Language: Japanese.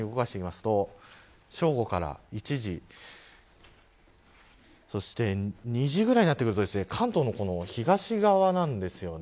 さらに動かしていくと正午から１時そして２時ぐらいになると関東の東側なんですよね。